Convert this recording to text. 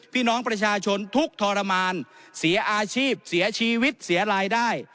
พี่น้องประชาชนทุกข์ทรมานเสียอาชีพเสียชีวิตเสียรายได้